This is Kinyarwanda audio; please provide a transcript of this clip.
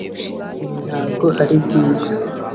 ibi ntabwo ari byiza